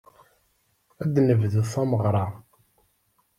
Ad d-nebdut tameɣra.